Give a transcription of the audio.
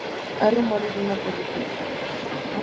Hay rumores de una película.